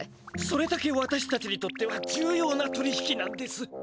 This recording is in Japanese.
それだけわたしたちにとってはじゅうような取り引きなんです。